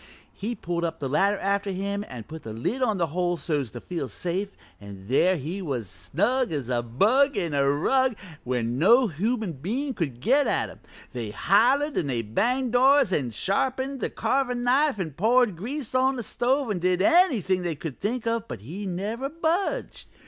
He'd pulled the ladder up after him an' put the lid on the hole so's to feel safe, an' there he was snug as a bug in a rug an' where no human bein' could get at him. They hollered an' banged doors an' sharpened the carvin' knife an' poured grease on the stove an' did anything they could think of, but he never budged.